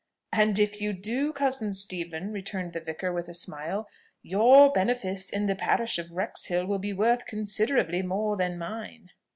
"And if you do, cousin Stephen," returned the vicar, with a smile; "your benefice in the parish of Wrexhill will be worth considerably more than mine."